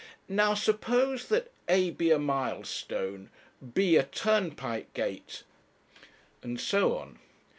Now, suppose that a be a milestone; b a turnpike gate ,' and so on.